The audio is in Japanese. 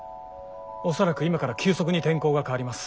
恐らく今から急速に天候が変わります。